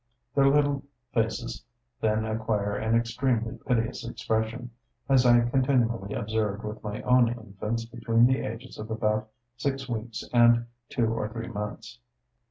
Their little faces then acquire an extremely piteous expression, as I continually observed with my own infants between the ages of about six weeks and two or three months.